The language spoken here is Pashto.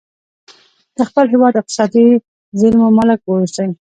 د خپل هیواد اقتصادي زیرمو مالک واوسي.